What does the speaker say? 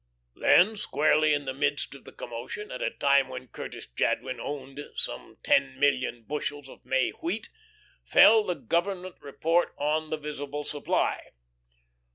Then, squarely in the midst of the commotion, at a time when Curtis Jadwin owned some ten million bushels of May wheat, fell the Government report on the visible supply.